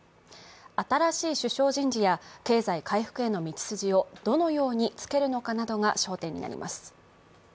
新しい首相人事や経済回復への道筋をどのようにつけるのかなどが焦点になります。